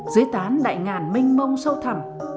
dưới tán đại ngàn minh mông sâu thẳm